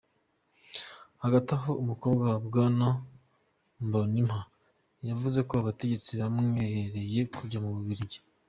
Hagati aho, umukobwa wa Bwana Mbonimpa yavuze ko abategetsi bamwereye kujya mu Bubiligi.